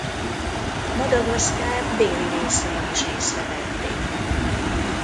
Madagaszkár déli részén is észrevették.